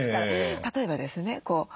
例えばですね